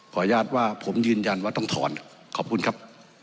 อนุญาตว่าผมยืนยันว่าต้องถอนขอบคุณครับ